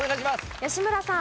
吉村さん。